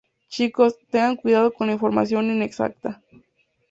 Chicos, tengan cuidado con la información inexacta.